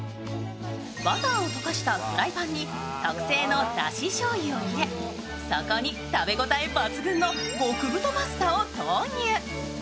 バターを溶かしたフライパンに特製のだししょうゆを入れ、そこに食べ応え抜群の極太パスタを投入。